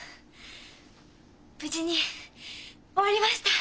無事に終わりました。